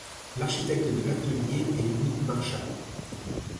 L'architecte de l'atelier est Louis Marchal.